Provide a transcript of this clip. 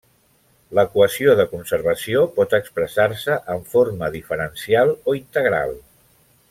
L'equació de conservació pot expressar-se en forma diferencial o integral.